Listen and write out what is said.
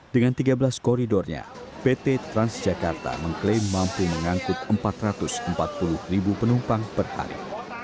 dengan tiga belas koridornya pt transjakarta mengklaim mampu mengangkut empat ratus empat puluh ribu penumpang per hari